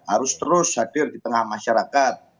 harus terus hadir di tengah masyarakat